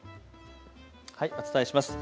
お伝えします。